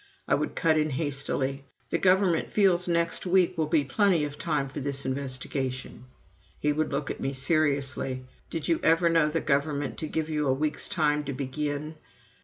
I would cut in hastily: "The Government feels next week will be plenty of time for this investigation." He would look at me seriously. "Did you ever know the Government to give you a week's time to begin?"